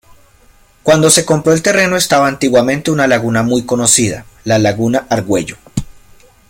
Cuando se compró el terreno estaba antiguamente una laguna muy conocida: La laguna Argüello.